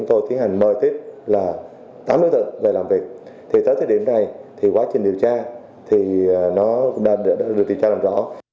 tới thời điểm này quá trình điều tra đã được điều tra làm rõ